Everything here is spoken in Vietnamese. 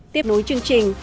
tiếp nối chương trình